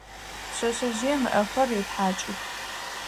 Пшъэшъэжъыем ыӏэхэр етхьакӏых.